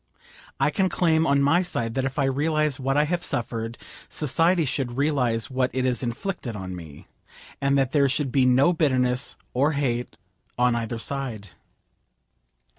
I can claim on my side that if I realise what I have suffered, society should realise what it has inflicted on me; and that there should be no bitterness or hate on either side.